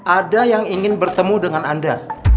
ada yang ingin bertemu dengan anda